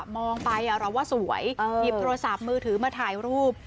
มองไปเราว่าสวยหยิบโทรศัพท์มือถือมาถ่ายรูป